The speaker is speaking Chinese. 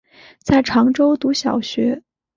在常州读小学。